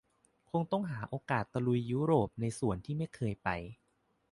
คงต้องหาโอกาสตะลุยยุโรปในส่วนที่ไม่เคยไป